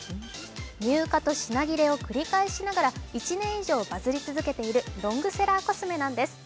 入荷と品切れを繰り返しながら１年以上バズり続けているロングセラーコスメなんです。